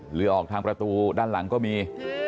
หรือออกทางประตูด้านหลังก็มี